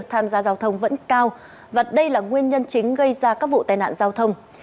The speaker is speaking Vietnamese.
tham gia giao thông vẫn cao và đây là nguyên nhân chính gây ra các vụ tai nạn giao thông